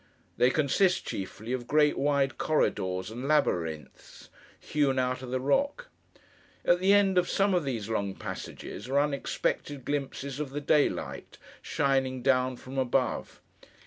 They consist, chiefly, of great wide corridors and labyrinths, hewn out of the rock. At the end of some of these long passages, are unexpected glimpses of the daylight, shining down from above.